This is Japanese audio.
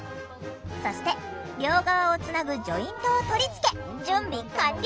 そして両側をつなぐジョイントを取り付け準備完了！